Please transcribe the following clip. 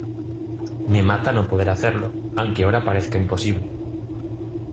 me mata no poder hacerlo. aunque ahora parezca imposible